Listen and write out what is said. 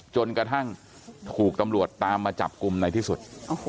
จนกระทั่งถูกตำรวจตามมาจับกลุ่มในที่สุด